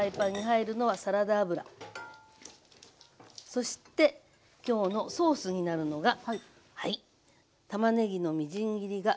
そして今日のソースになるのが。